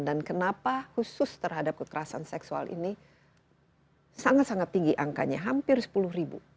dan kenapa khusus terhadap kekerasan seksual ini sangat sangat tinggi angkanya hampir sepuluh ribu